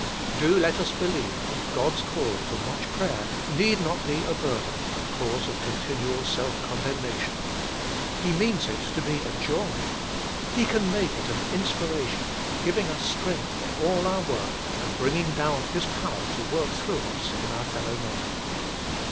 Do let us believe that God s call to much prayer need not be a burden and cause of continual self condemnation. He means it to be a joy. He can make it an inspiration, giving us strength for all our work, and bringing down His power to work through us in our fellowmen.